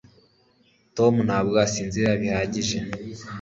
tom ntabwo asinzira bihagije